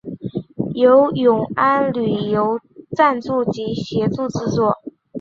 由永安旅游赞助及协助制作。